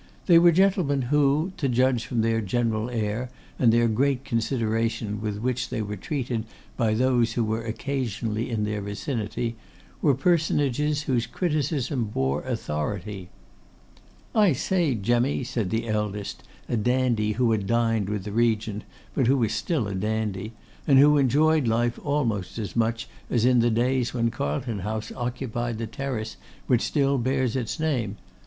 They were gentlemen who, to judge from their general air and the great consideration with which they were treated by those who were occasionally in their vicinity, were personages whose criticism bore authority. 'I say, Jemmy,' said the eldest, a dandy who had dined with the Regent, but who was still a dandy, and who enjoyed life almost as much as in the days when Carlton House occupied the terrace which still bears its name.